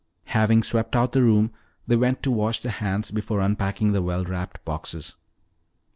Having swept out the room, they went to wash their hands before unpacking the well wrapped boxes.